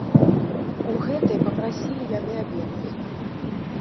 У гэтай папрасілі яны абедаць.